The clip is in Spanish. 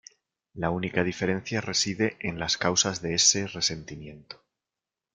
La única diferencia reside en las causas de ese resentimiento.